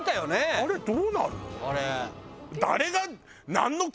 あれどうなるの？